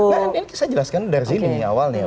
nah ini saya jelaskan dari sini nih awalnya